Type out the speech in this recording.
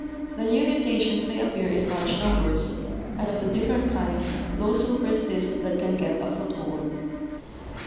"The new mutations may appear in large numbers, and of the different kinds, those will persist that can get a foot hold.